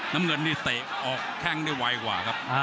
น้ำเงินนี่เตะออกแข้งได้ไวกว่าครับ